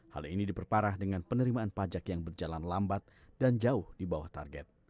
hal ini diperparah dengan penerimaan pajak yang berjalan lambat dan jauh di bawah target